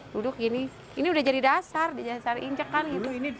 duduk gini ini sudah jadi dasar dasar incek kan